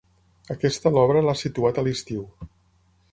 Aquesta l’obra l’ha situat a l’estiu.